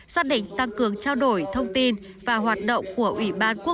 xác định tăng cường trao đổi